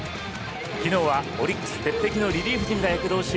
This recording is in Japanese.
昨日はオリックス鉄壁のリリーフ陣が躍動し